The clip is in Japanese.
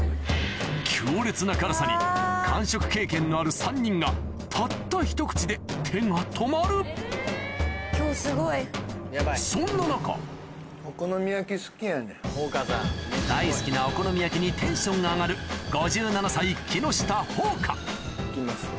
強烈な辛さに完食経験のある３人がたったひと口で手が止まるそんな中大好きなお好み焼きにテンションが上がる行きますね